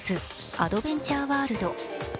アドベンチャーワールド。